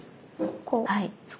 ここ。